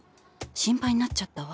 心配になっちゃったわ。